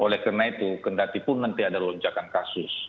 dan karena itu kendati pun nanti ada lonjakan kasus